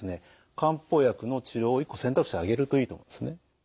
漢方薬の治療を一個選択肢に挙げるといいと思うんですね。